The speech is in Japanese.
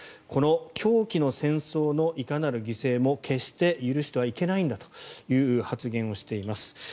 この狂気の戦争のいかなる犠牲も決して許してはいけないんだという発言をしています。